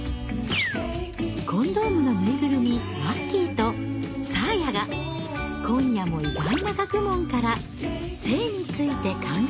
コンドームのぬいぐるみまっきぃとサーヤが今夜も意外な学問から性について考えていきます。